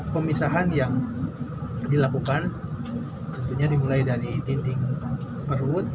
pemisahan yang dilakukan tentunya dimulai dari titik perut